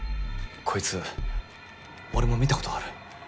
こいつ俺も見た事がある。